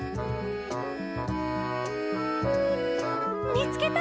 「みつけた！